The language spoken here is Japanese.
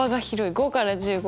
５から１５。